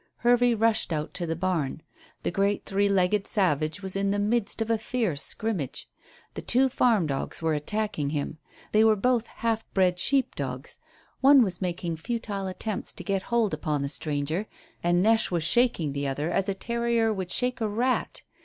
Hervey rushed out to the barn. The great three legged savage was in the midst of a fierce scrimmage. Two farm dogs were attacking him. They were both half bred sheep dogs. One was making futile attempts to get a hold upon the stranger, and Neche was shaking the other as a terrier would shake a rat.